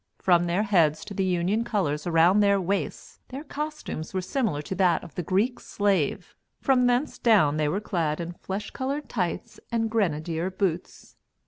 From their heads to the Union colors around their waists, their costumes were similar to that of the Greek slave; from thence down they were clad in flesh colored tights and grenadier boots.